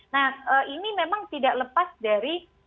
nah ini memang tidak lepas dari